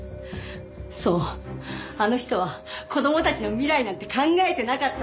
そうあの人は子供たちの未来なんて考えてなかった。